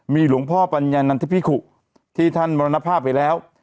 มีหลวงพ่อปัญญานันทพิขุที่ท่านมรณภาพไปแล้ว